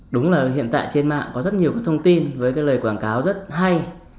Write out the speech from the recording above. đúng là hiện tại trên mạng có rất nhiều thông tin với lời quảng cáo rất hay